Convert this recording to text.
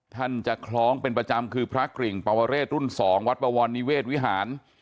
ท่านจะคล้องเป็นประจำคือพระกริ่งปวเรศรุ่น๒วัดบวรนิเวศวิหาร